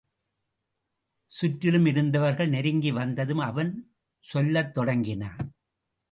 சுற்றிலும் இருந்தவர்கள் நெருங்கி வந்ததும் அவன் சொல்லத் தொடங்கினான்.